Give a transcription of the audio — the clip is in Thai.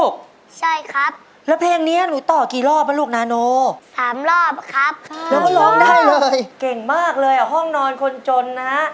เก่งมากเลยอ่ะห้องนอนคนจนนะ